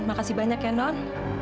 makasih banyak ya non